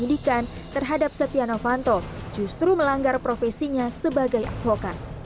kini proses penyidikan terhadap setia novanto justru melanggar profesinya sebagai avokat